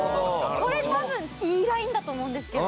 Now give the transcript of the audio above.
これ多分いいラインだと思うんですけど。